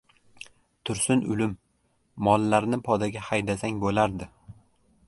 — Tursun ulim, mollarni podaga haydasang bo‘lardi...